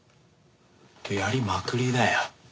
やりまくりだよ。